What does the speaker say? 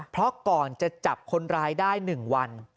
เพราะก่อนจะจับคนร้ายได้๑วัน